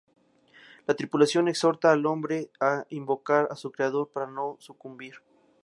La tripulación exhorta al hombre a invocar a su creador para no sucumbir.